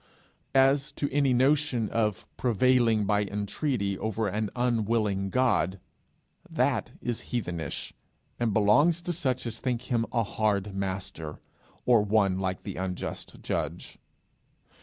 As to any notion of prevailing by entreaty over an unwilling God, that is heathenish, and belongs to such as think him a hard master, or one like the unjust judge.